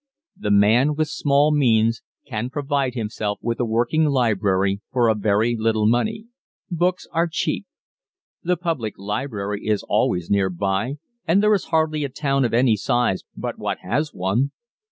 The man with small means can provide himself with a working library for a very little money. Books are cheap. The public library is always nearby and there is hardly a town of any size but what has one.